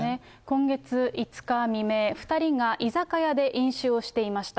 今月５日未明、２人が居酒屋で飲酒をしていました。